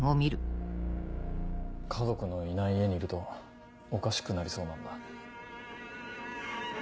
家族のいない家にいるとおかしくなりそうなんだ。